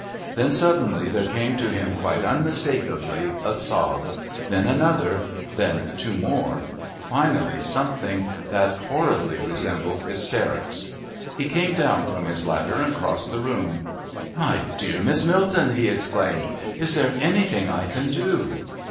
Then suddenly there came to him quite unmistakably a sob, then another, then two more, finally something that horribly resembled hysterics. He came down from his ladder and crossed the room. "My dear Miss Milton!" he exclaimed. "Is there anything I can do?"